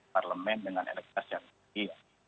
parlemen dengan elektrik yang lebih